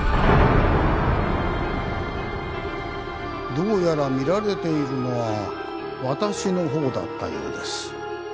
どうやら見られているのは私の方だったようです。